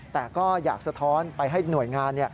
แต่ก็อยากสะท้อนไปให้หน่วยงาน